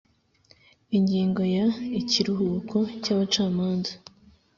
Ingingo ya Ikiruhuko cy abacamanza